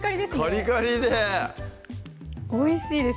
カリカリでおいしいです